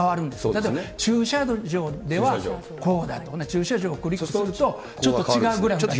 例えば駐車場ではこうだとか駐車場をクリックすると、ちょっと違うグラフになるんですね。